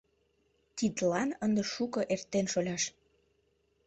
— Тидлан ынде шуко эртен, шоляш.